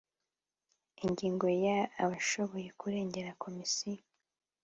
Ingingo ya abashobora kuregera komisiyo